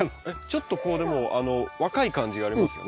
ちょっとこうでも若い感じがありますね。